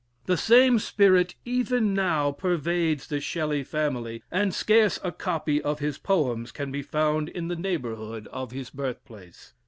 The same spirit even now pervades the Shelley family, and scarce a copy of his poems can be found in the neighborhood of his birth place.